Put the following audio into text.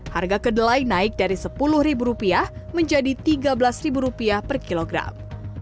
harga kedelai naik dari sepuluh ribu rupiah menjadi tiga belas ribu rupiah per kilogram